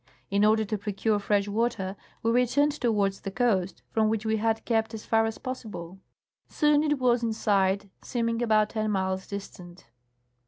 In order to procure fresh water, we returned towards the coast, from which we had kept as far as possible. Soon it was in sight, seem ing about ten miles distant.